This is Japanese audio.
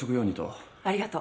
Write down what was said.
ありがとう。